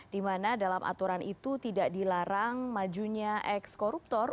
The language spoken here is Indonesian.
di mana dalam aturan itu tidak dilarang majunya eks koruptor